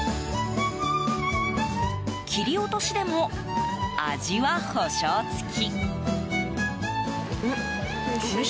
切り落としでも味は保証付き。